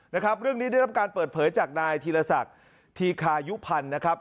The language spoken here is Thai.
นะครับเรื่องนี้ได้รับการเปิดเผยจากนายธีรศักดิ์ธีคายุพันธ์นะครับ